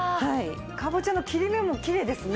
カボチャの切れ目もきれいですね。